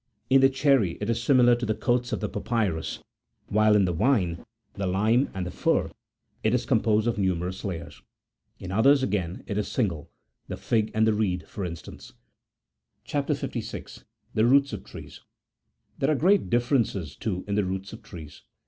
In the cherry it is similar to the coats of the papyrus, while in the vine, the lime, and the fir, it is composed of numerous layers. In others, again, it is single, the fig and the reed for instance. CHAP. 56. — THE ROOTS OP TREES. There are great differences, too, in the roots of trees.